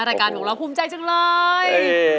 รายการของเราภูมิใจจังเลย